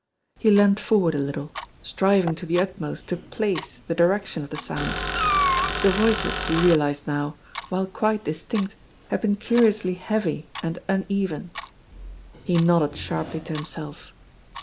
He leaned forward a little, striving to the utmost to place the direction of the sounds. The voices, he realised now, while quite distinct, had been curiously heavy and uneven. He nodded sharply to himself.